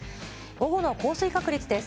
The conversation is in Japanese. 午後の降水確率です。